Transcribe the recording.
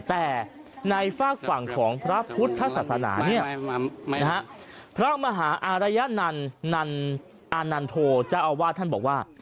แต่ในฝากฝั่งของพระพุทธศาสนาเนี่ยนะฮะพระมหาอารยันอานันโทเจ้าอาวาสท่านบอกว่า